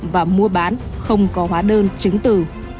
và mua bán không có hóa đơn chứng từ